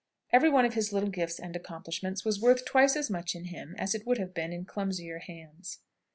Every one of his little gifts and accomplishments was worth twice as much in him as it would have been in clumsier hands.